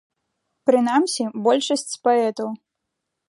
Прынамсі, большасць з паэтаў.